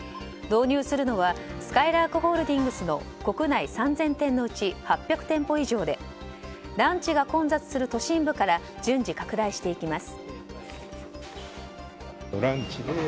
導入するのはすかいらーくホールディングスの国内３０００店舗のうち８００店舗以上でランチが混雑する都心部から順次拡大していきます。